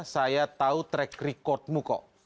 saya tahu track record mu kok